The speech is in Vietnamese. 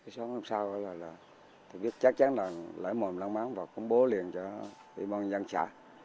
sáng hôm sau là tôi biết chắc chắn là lở mồm long móng và công bố liền cho ủy ban nhân dân trả